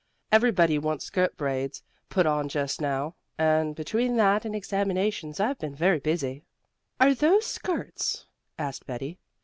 "Everybody wants skirt braids put on just now, and between that and examinations I've been very busy." "Are those skirts?" asked Betty.